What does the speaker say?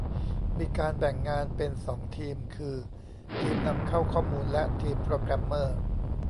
มีการแบ่งงานเป็น สอง ทีม คือ ทีมนำเข้าข้อมูล และ ทีมโปรแกรมเมอร์